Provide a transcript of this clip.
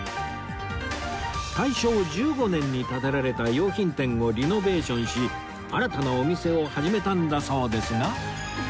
大正１５年に建てられた洋品店をリノベーションし新たなお店を始めたんだそうですが